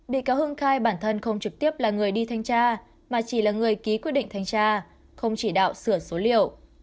bị cáo hưng khai bản thân không trực tiếp là người đi thanh tra mà chỉ là người ký quyết định thanh tra không chỉ đạo sửa số liệu